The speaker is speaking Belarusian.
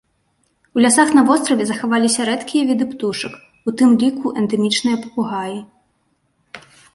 У лясах на востраве захаваліся рэдкія віды птушак, у тым ліку эндэмічныя папугаі.